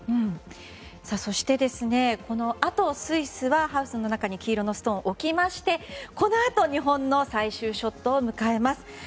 そして、このあとスイスはハウスの中に黄色のストーンを置きましてこのあと日本の最終ショットを迎えます。